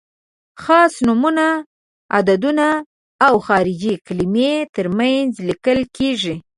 خاص نومونه، عددونه او خارجي کلمې تر منځ لیکل کیږي.